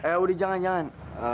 eh udah jangan jangan